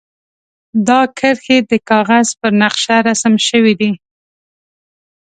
دا کرښې د کاغذ پر نقشه رسم شوي دي.